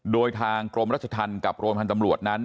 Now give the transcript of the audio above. โดยทางกรมรัชทันกับโรงพยาบาลตำรวจนั้น